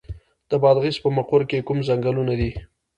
د بادغیس په مقر کې کوم ځنګلونه دي؟